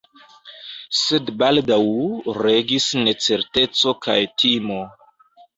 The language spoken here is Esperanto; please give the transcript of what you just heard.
Sed baldaŭ regis necerteco kaj timo.